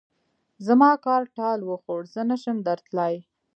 زما کار ټال وخوړ؛ زه نه شم درتلای.